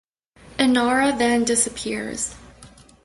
Inara then disappears.